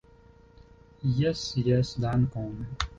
Jes, jes dankon